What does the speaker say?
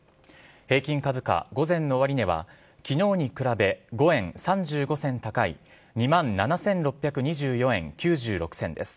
平均株価、午前の終値は、きのうに比べ５円３５銭高い、２万７６２４円９６銭です。